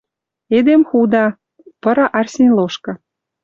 «Эдем худа, — пыра Арсень лошкы, —